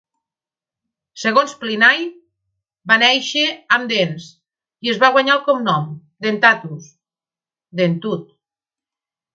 Segons Pliny, va néixer amb dents, i es va guanyar el "cognom" Dentatus (dentut).